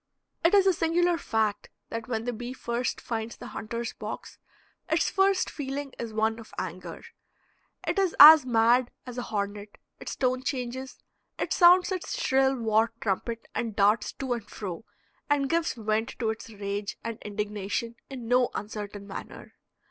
It is a singular fact that when the bee first finds the hunter's box its first feeling is one of anger; it is as mad as a hornet; its tone changes, it sounds its shrill war trumpet and darts to and fro, and gives vent to its rage and indignation in no uncertain manner.